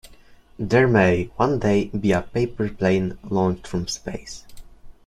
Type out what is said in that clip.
There may one day be a paper plane launched from space.